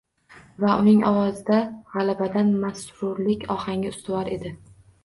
Va uning ovozida g‘alabadan masrurlik ohangi ustuvor edi.